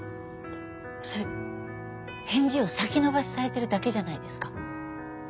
それ返事を先延ばしされてるだけじゃないですか？